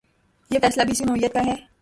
یہ فیصلہ بھی اسی نوعیت کا ہے۔